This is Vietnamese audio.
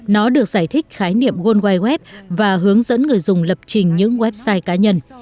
nó được giải thích khái niệm world wide web và hướng dẫn người dùng lập trình những website cá nhân